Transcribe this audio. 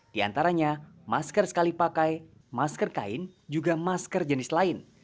di antaranya masker sekali pakai masker kain juga masker jenis lain